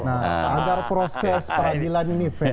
agar proses peradilan ini fair